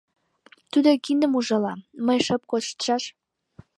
Тудо киндым ужала — мый шып коштшаш!